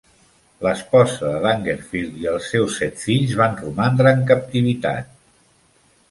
L'esposa de Dangerfield i els seus set fills van romandre en captivitat.